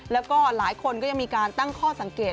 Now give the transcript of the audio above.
แล้วก็หลายคนก็ยังมีการตั้งข้อสังเกต